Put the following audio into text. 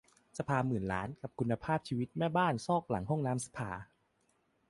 สภาหมื่นล้านกับคุณภาพชีวิตแม่บ้านซอกหลังห้องน้ำสภา !